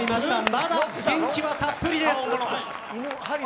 まだ元気はたっぷりです。